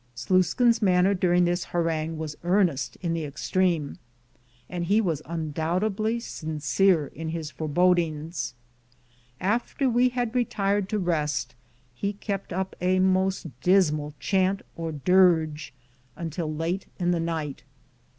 Sluiskin's manner during this harangue was earnest in the extreme, and he was un doubtedly sincere in his forebodings. After we had retired to rest, he kept up a most dismal chant, or dirge, until late in the night.